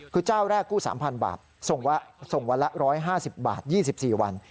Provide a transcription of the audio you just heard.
คือเจ้าแรกกู้๓๐๐บาทส่งวันละ๑๕๐บาท๒๔วัน